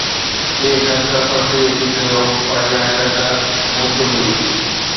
ٻئي شخص سسئيءَ کي چيو، پر اها حيرت مون تي هئي